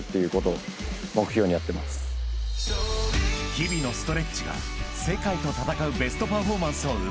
［日々のストレッチが世界と戦うベストパフォーマンスを生む］